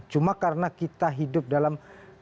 cuma karena kita hidup dalam